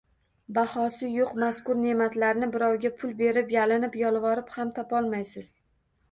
Bahosi yo‘q mazkur ne’matlarni birovga pul berib, yalinib-yolvorib ham topolmaysiz.